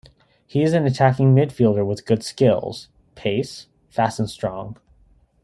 He is an attacking midfielder with good skills, pace, fast and strong.